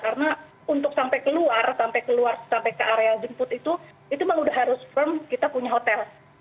karena untuk sampai keluar sampai keluar sampai ke area jemput itu itu mah udah harus firm kita punya hotel